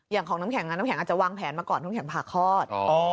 อย่างของน้ำแข็งน้ำแข็งอาจจะวางแผนมาก่อนน้ำแข็งผ่าคลอด